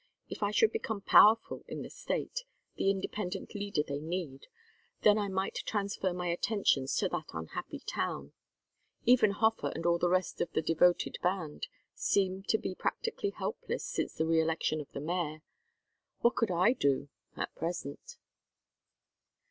If I could become powerful in the State, the Independent leader they need, then I might transfer my attentions to that unhappy town. Even Hofer and all the rest of the devoted band seem to be practically helpless since the re election of the mayor. What could I do at present?"